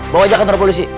bawa aja ke antara polisi